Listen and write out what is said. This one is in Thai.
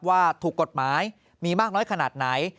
ว่าถูกกฎหมายมีมากน้อยขนาดไหน